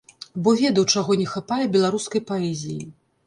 Бо ведаў, чаго не хапае беларускай паэзіі.